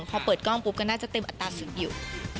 พอเปิดกล้องปุ๊บก็น่าจะเต็มอัตราสูงอยู่